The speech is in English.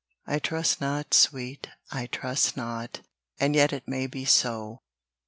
I trust not, sweet, I trust not And yet it may be so.